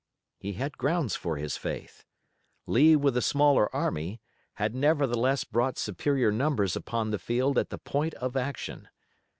He had grounds for his faith. Lee with the smaller army, had nevertheless brought superior numbers upon the field at the point of action.